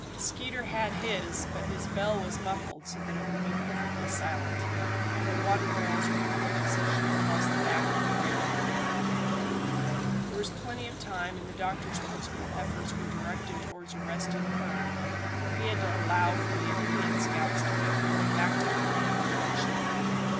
Skeeter had his, but his bell was muffled so that it would be perfectly silent, and the water barrels were hung in position across the back of their regular bearer. There was plenty of time, and the doctor's principal efforts were directed towards arresting hurry, for he had to allow for the Indian scouts to make their way back to the camp from which they came.